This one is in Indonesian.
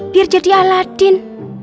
biar jadi aladin